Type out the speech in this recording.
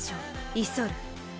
イ・ソル。